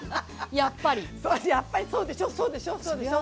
やっぱりそうでしょそうでしょそうでしょ。